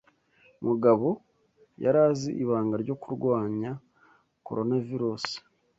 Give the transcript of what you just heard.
Mugabo yarazi ibanga ryo kurwanya Coronavirus.